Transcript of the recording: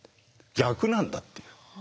逆なんだっていう。